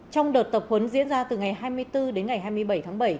trong đợt tập huấn diễn ra từ ngày hai mươi bốn đến ngày hai mươi bảy tháng bảy